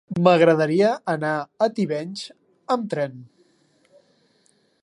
M'agradaria anar a Tivenys amb tren.